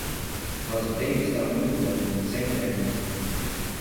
Mas o tempo está muito bom, sem neve